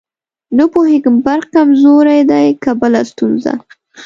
نه پوهېږم برق کمزورې دی که بله ستونزه.